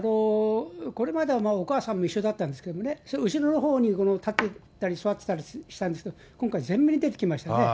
これまではお母さんも一緒だったんですけどね、後ろのほうに立ってたり、座ってたりしてたんですけど、今回、前面に出てきましたね。